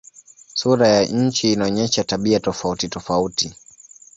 Sura ya nchi inaonyesha tabia tofautitofauti.